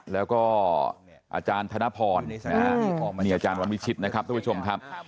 แล้วก็อาจารย์ธนพรนี่อาจารย์วันวิชิตนะครับทุกผู้ชมครับ